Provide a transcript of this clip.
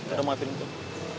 gak ada mati dong